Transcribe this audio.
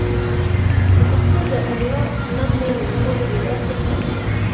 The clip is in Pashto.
د پښتو د املا خدمت مې له خوبه بې برخې کړم.